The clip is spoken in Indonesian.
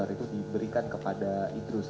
itu diberikan kepada idrus